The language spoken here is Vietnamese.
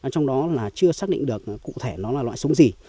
trong đó là chưa xác định được cụ thể nó là loại súng gì